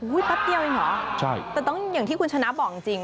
แป๊บเดียวเองเหรอใช่แต่ต้องอย่างที่คุณชนะบอกจริง